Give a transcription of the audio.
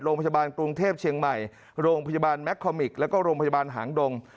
โรงพยาบาลกรุงเทพเชียงใหม่โรงพยาบาลแมคคอมิกแล้วก็โรงพยาบาลหางดง